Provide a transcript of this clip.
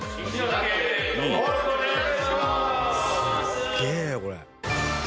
すっげえよこれ。